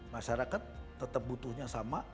masyarakat tetap butuhnya sama